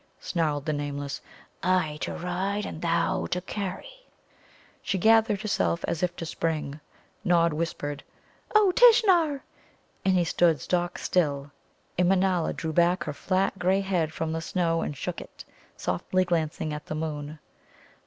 snarled the Nameless "I to ride and thou to carry." She gathered herself as if to spring. Nod whispered, "O Tishnar!" and he stood stock still. Immanâla drew back her flat grey head from the snow, and shook it, softly glancing at the moon.